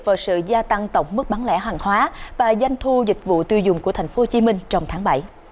vào sự gia tăng tổng mức bán lẻ hàng hóa và doanh thu dịch vụ tiêu dùng của tp hcm trong tháng bảy